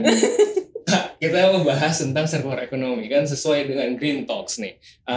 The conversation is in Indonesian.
kak kita mau bahas tentang sirkular ekonomi kan sesuai dengan green talks nih